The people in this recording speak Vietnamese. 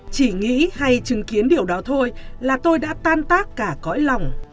chỉ nghĩ hay chứng kiến điều đó thôi là tôi đã tan tác cả cõi lòng